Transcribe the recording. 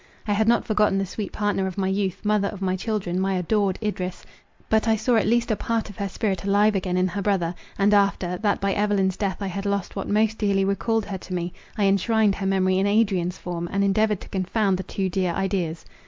I had not forgotten the sweet partner of my youth, mother of my children, my adored Idris; but I saw at least a part of her spirit alive again in her brother; and after, that by Evelyn's death I had lost what most dearly recalled her to me; I enshrined her memory in Adrian's form, and endeavoured to confound the two dear ideas.